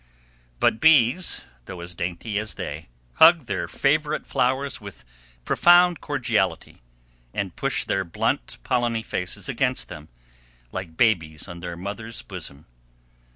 But bees, though, as dainty as they, hug their favorite flowers with profound cordiality, and push their blunt, polleny faces against them, like babies on their mother's bosom.